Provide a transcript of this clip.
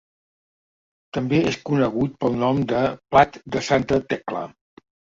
També és conegut pel nom de Plat de Santa Tecla.